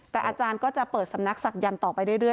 แต่อาจารย์ก็จะเปิดสำนักศักยันต์ต่อไปเรื่อย